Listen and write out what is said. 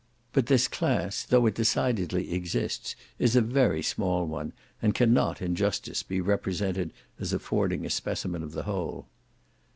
But this class, though it decidedly exists, is a very small one, and cannot, in justice, be represented as affording a specimen of the whole.